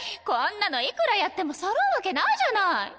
こんなのいくらやってもそろうわけないじゃない。